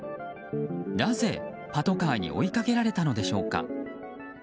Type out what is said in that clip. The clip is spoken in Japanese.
なぜ、パトカーに追いかけられたのでしょうか。